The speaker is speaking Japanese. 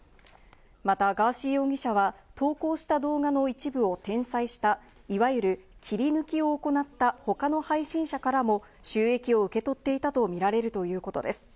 またガーシー容疑者は投稿した動画の一部を転載した、いわゆる切り抜きを行った他の配信者からも収益を受け取っていたとみられるということです。